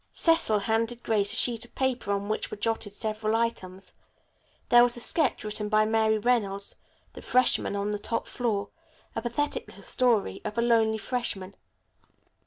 Cecil handed Grace a sheet of paper on which were jotted several items. There was a sketch written by Mary Reynolds, "The Freshman on the Top Floor," a pathetic little story of a lonely freshman.